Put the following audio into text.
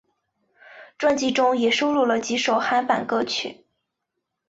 专辑中也收录了几首韩版歌曲。